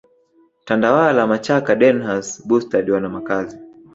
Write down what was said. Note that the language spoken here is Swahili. Tandawala machaka Denhams Bustard wana makazi